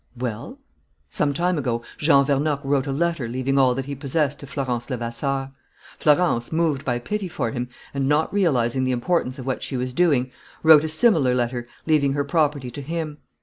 "Well " "Some time ago Jean Vernocq wrote a letter leaving all that he possessed to Florence Levasseur. Florence, moved by pity for him, and not realizing the importance of what she was doing, wrote a similar letter leaving her property to him.